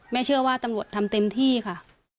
เชื่อว่าตำรวจทำเต็มที่ค่ะ